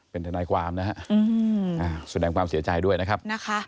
เป็นทนายความนะฮะแสดงความเสียใจด้วยนะครับ